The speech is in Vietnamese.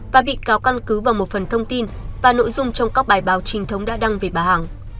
và bị cáo căn cứ vào một phần thông tin và nội dung trong các bài báo trinh thống đã đăng về bà hằng